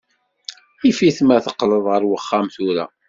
Yif-it ma teqqleḍ ar wexxam tura.